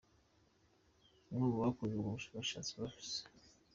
Umwe mu bakoze ubwo bushakashatsi, Prof.